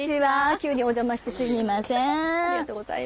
急にお邪魔してすみません。